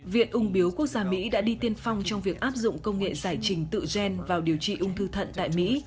viện ung biếu quốc gia mỹ đã đi tiên phong trong việc áp dụng công nghệ giải trình tự gen vào điều trị ung thư thận tại mỹ